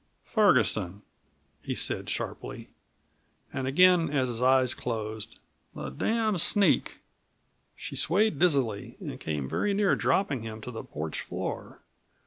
"Ferguson," he said sharply. And again, as his eyes closed: "The damned sneak." She swayed dizzily and came very near dropping him to the porch floor.